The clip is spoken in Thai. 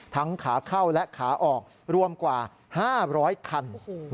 ขาเข้าและขาออกรวมกว่า๕๐๐คัน